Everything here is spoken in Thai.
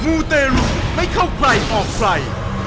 มูเตรุไม่เข้าใครออกใคร